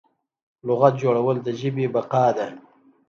لغت جوړول د ژبې بقا ده.